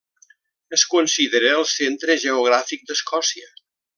Es considera el centre geogràfic d'Escòcia.